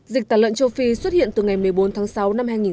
dịch tả lợn châu phi xuất hiện từ ngày một mươi bốn tháng sáu